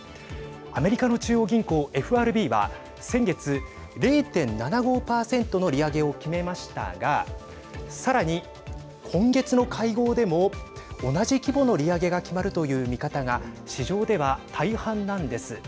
アメリカの中央銀行、ＦＲＢは先月、０．７５％の利上げを決めましたがさらに、今月の会合でも同じ規模の利上げが決まるという見方が市場では大半なんです。